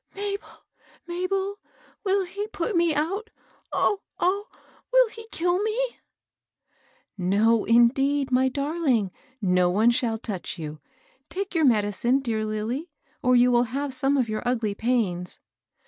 " Mabel ! Mabel I will he put me out ?— oh ! ohl willhekiUme?'V ANOTHER VISITOR. 331 "No, indeed, my darling; no one shall touch you. Take your medicine, dear Lilly, or you will have some of your ugly pains."